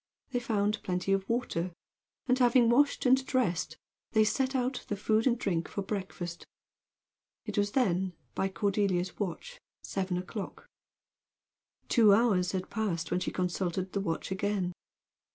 They found plenty of water, and having washed and dressed, they set out the food and drink for breakfast. It was then, by Cordelia's watch, seven o'clock. Two hours had passed when she consulted the watch again.